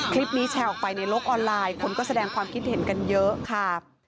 คลิปนี้แชร์ออกไปในโลกออนไลน์คนก็แสดงความคิดเห็นกันเยอะค่ะ